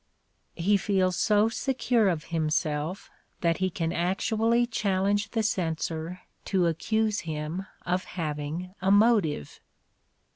He feels so secure of himself that he can actually challenge the censor to accuse him of having a motive!